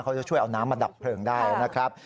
เขาจะช่วยเอาน้ำมาดับเพลิงได้นะครับ